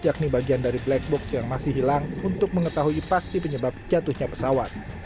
yakni bagian dari black box yang masih hilang untuk mengetahui pasti penyebab jatuhnya pesawat